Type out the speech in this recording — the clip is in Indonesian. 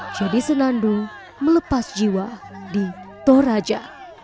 jadi senandung melepas jiwa di toraja